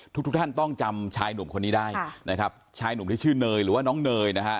ทุกทุกท่านต้องจำชายหนุ่มคนนี้ได้นะครับชายหนุ่มที่ชื่อเนยหรือว่าน้องเนยนะฮะ